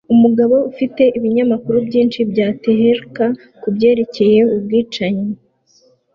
Umugabo afite ibinyamakuru byinshi bya Tehelka kubyerekeye ubwicanyi